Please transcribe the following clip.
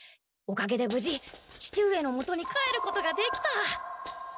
おかげでぶじ父上のもとに帰ることができた。